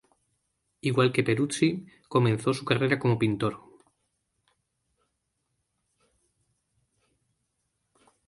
Igual que Peruzzi, comenzó su carrera como pintor.